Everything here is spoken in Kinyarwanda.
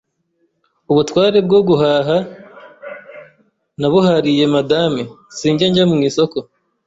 ubutware bwo guhaha nabuhariye Madame, sinjya njya mu isoko,